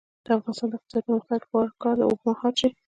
د افغانستان د اقتصادي پرمختګ لپاره پکار ده چې اوبه مهار شي.